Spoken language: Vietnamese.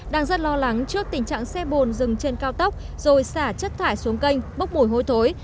đang rất lo lắng trước tình trạng xe bồn rừng trên cao tốc rồi xả chất thải xuống kênh bốc mùi hôi thối